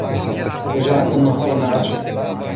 وَجَعَلْنَا النَّهَارَ مَعَاشًا